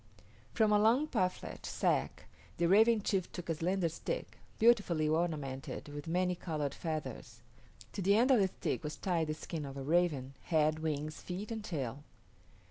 From a long parfleche sack the Raven chief took a slender stick, beautifully ornamented with many colored feathers. To the end of the stick was tied the skin of a raven head, wings, feet, and tail.